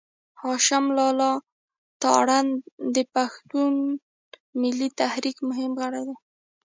هاشم لالا تارڼ د پښتون ملي تحريک مهم غړی و.